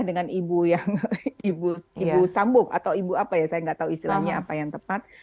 dengan ibu yang ibu sambuk atau ibu apa ya saya nggak tahu istilahnya apa yang tepat